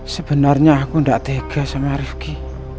sebenarnya aku gak tegas sama rifqi